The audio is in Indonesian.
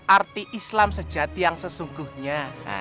arti islam sejati yang sesungguhnya